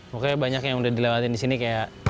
pokoknya banyak yang udah dilewatin disini kayak